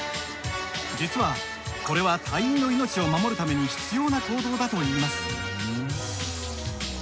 実はこれは隊員の命を守るために必要な行動だといいます。